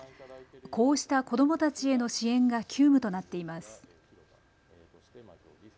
こうした子どもたちへの支援が急務となっています。